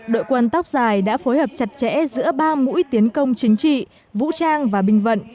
đội quân tóc dài đã phối hợp chặt chẽ giữa ba mũi tiến công chính trị vũ trang và binh vận